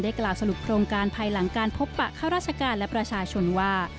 กล่าวสรุปโครงการภายหลังการพบปะข้าราชการและประชาชนว่า